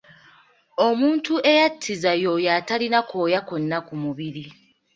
Omuntu eyattiza y’oyo atalina kooya konna ku mubiri.